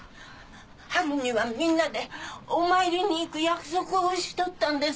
春にはみんなでお参りにいく約束をしとったんです。